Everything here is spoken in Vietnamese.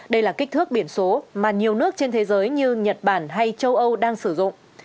đây là kích thước biển số mà nhiều nước trên thế giới như nhật bản hay châu âu đang sử dụng